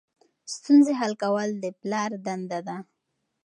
ستونزې حل کول د پلار دنده ده.